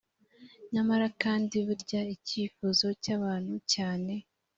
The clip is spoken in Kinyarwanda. nyamara kandi burya icyifuzo cy abantu cyane